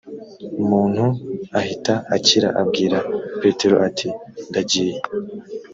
muntu ahita akira abwira petero ati ndagiye